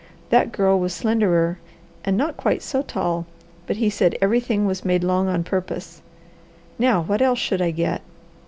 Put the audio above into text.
That girl was slenderer and not quite so tall, but he said everything was made long on purpose. Now what else should I get?"